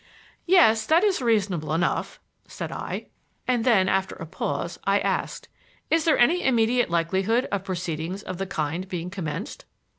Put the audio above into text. "Yes, that is reasonable enough," said I. And then, after a pause, I asked: "Is there any immediate likelihood of proceedings of the kind being commenced?"